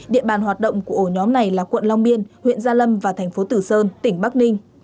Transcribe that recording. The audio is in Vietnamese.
địa bàn hoạt động của ổ nhóm này là quận long biên huyện gia lâm và thành phố tử sơn tỉnh bắc ninh